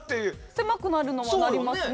狭くなるのはなりますね。